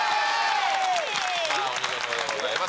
お見事でございます。